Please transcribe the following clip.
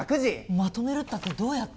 まとめるったってどうやって？